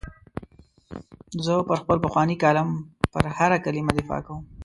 زه پر خپل پخواني کالم پر هره کلمه دفاع کوم.